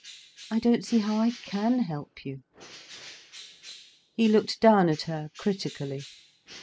I don't see how I can help you." He looked down at her critically.